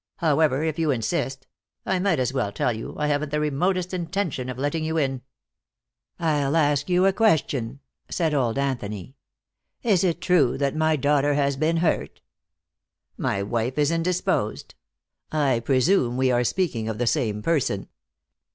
"However, if you insist I might as well tell you, I haven't the remotest intention of letting you in." "I'll ask you a question," said old Anthony. "Is it true that my daughter has been hurt?" "My wife is indisposed. I presume we are speaking of the same person."